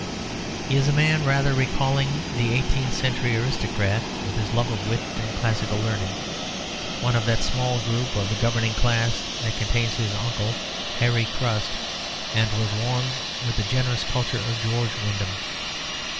He is a man rather recalling the eighteenth century aristocrat, with his love of wit and classical learning; one of that small group of the governing class that contains his uncle, Harry Cust, and was warmed with the generous culture of George Wyndham.